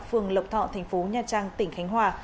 phường lộc thọ tp nha trang tỉnh khánh hòa